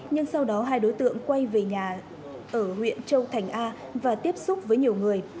nhưng sau đó hai đối tượng quay về nhà ở huyện châu thành a và tiếp xúc với nhiều người